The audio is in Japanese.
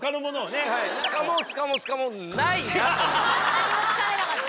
何もつかめなかった。